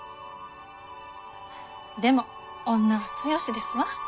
でも女は強しですわ。